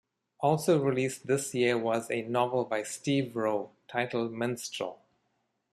Also released this year was a novel by Steve Rowe titled Minstrel.